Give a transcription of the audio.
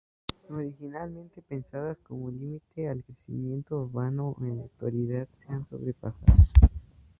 Originalmente pensadas como límite al crecimiento urbano, en la actualidad se han sobrepasado.